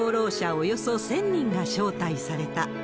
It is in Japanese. およそ１０００人が招待された。